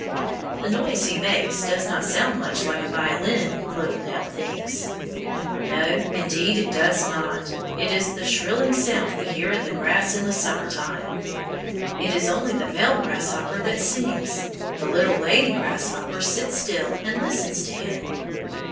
The noise he makes does not sound much like a violin, little Nell thinks. No, indeed, it does not. It is the shrilling sound we hear in the grass in the summer time. It is only the male grasshopper that sings. The little lady grasshopper sits still and listens to him.